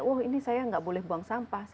wah ini saya gak boleh buang sampah